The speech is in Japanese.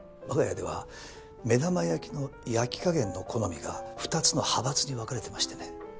わが家では目玉焼きの焼き加減の好みが２つの派閥に分かれてましてね。